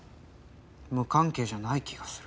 無関係じゃない気がする。